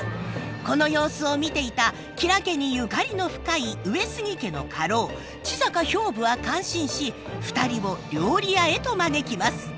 この様子を見ていた吉良家にゆかりの深い上杉家の家老千坂兵部は感心し２人を料理屋へと招きます。